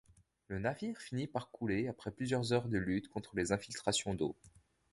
Le navire finit par couler après plusieurs heures de lutte contre les infiltrations d'eau.